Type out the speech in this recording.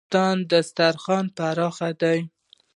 د افغانستان دسترخان پراخ دی